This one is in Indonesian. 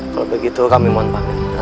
kalau begitu kami mohon panik